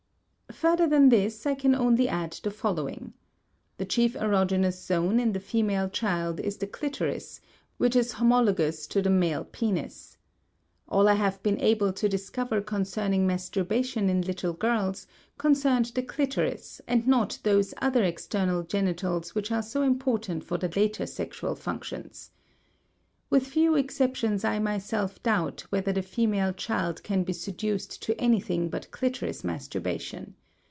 * Further than this I can only add the following. The chief erogenous zone in the female child is the clitoris, which is homologous to the male penis. All I have been able to discover concerning masturbation in little girls concerned the clitoris and not those other external genitals which are so important for the later sexual functions. With few exceptions I myself doubt whether the female child can be seduced to anything but clitoris masturbation.